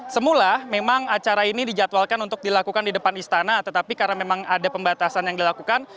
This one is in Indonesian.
semula memang acara ini dijadwalkan untuk dilakukan di depan istana tetapi karena memang ada pembatasan yang dilakukan